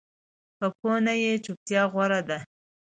که پوه نه یې، چُپتیا غوره ده